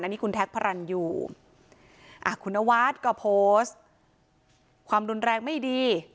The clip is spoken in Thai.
นี่คุณแท็กพระรันอยู่คุณนวัดก็โพสต์ความรุนแรงไม่ดี